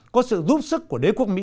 có sự giúp sức của đế quốc mỹ